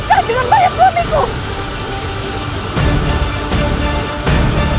siapa itu papa